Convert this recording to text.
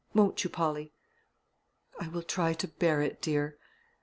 Won't you, Polly?" "I will try to bear it, dear."